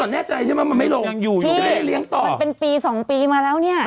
แน่ใจใช่ไหม